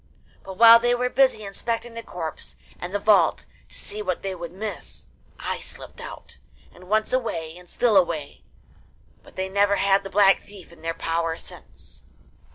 But while they were busy inspecting the corpse and the vault to see what they could miss, I slipped out, and, once away, and still away; but they never had the Black Thief in their power since.